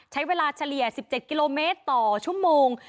ใช้เวลาเฉลี่ย๑๗กิโลเมตรต่อชั่วโมง